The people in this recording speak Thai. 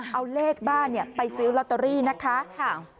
เอาเลขบ้านไปซื้อลอตเตอรี่นะคะ